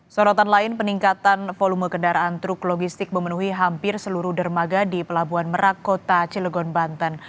sorotan lain peningkatan volume kendaraan truk logistik memenuhi hampir seluruh dermaga di pelabuhan merak kota cilegon banten